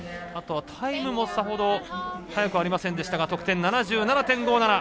あとはタイムもさほど速くありませんでしたが得点は、７７．５７。